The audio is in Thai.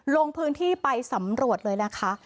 ลงพื้นที่ไปสำรวจเลยนะคะ